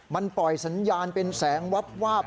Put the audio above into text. มันปล่อยสัญญาณเป็นแสงวับวาบ